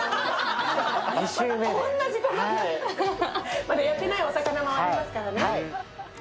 まだやってないお魚もありますからね。